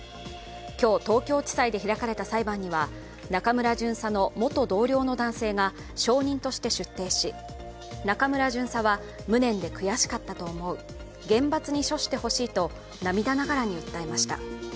今日、東京地裁で開かれた裁判には中村巡査の元同僚の男性が証人として出廷し、中村巡査は無念で悔しかったと思う厳罰に処してほしいと涙ながらに訴えました。